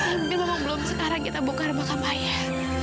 amir ngomong belum sekarang kita buka rumah kamar ayah